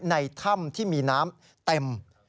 ในถ้ำที่มีน้ำเต็ม